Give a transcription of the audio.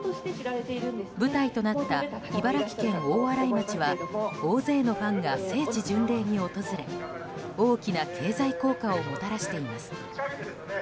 舞台となった茨城県大洗町は大勢のファンが聖地巡礼に訪れ大きな経済効果をもたらしています。